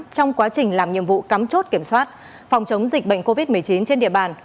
trong quá trình làm nhiệm vụ cắm chốt kiểm soát phòng chống dịch bệnh covid một mươi chín trên địa bàn